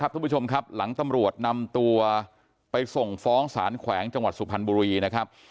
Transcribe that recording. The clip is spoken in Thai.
ทุกผู้ชมครับหลังตำรวจนำตัวไปส่งฟ้องสารแขวงจังหวัดสุพรรณบุรีนะครับ